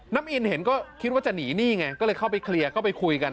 น้ำอินเห็นก็คิดว่าจะหนีนี่ไงก็เลยเข้าไปเคลียร์ก็ไปคุยกัน